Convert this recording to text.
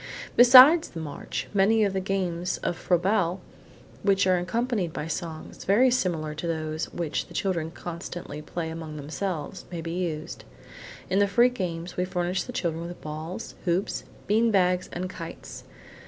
Besides the march, many of the games of Froebel which are accompanied by songs, very similar to those which the children constantly play among themselves, may be used. In the free games, we furnish the children with balls, hoops, bean bags and kites.